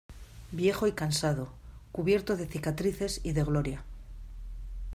viejo y cansado, cubierto de cicatrices y de gloria